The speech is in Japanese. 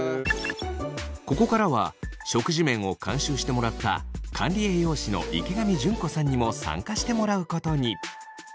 ここからは食事面を監修してもらった管理栄養士の池上淳子さんにも参加してもらうことに。